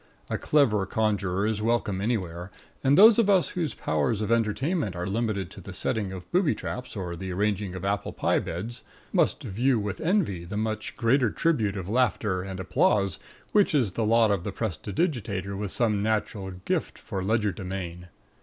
A clever conjurer is welcome anywhere, and those of us whose powers of entertainment are limited to the setting of booby traps or the arranging of apple pie beds must view with envy the much greater tribute of laughter and applause which is the lot of the prestidigitator with some natural gift for legerdemain.